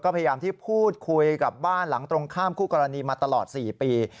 พยายามที่พูดคุยกับบ้านหลังตรงข้ามคู่กรณีมาตลอด๔ปี